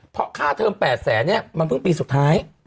เพราะค่าเทอม๘แสนเนี่ยมันเพิ่งปีสุดท้าย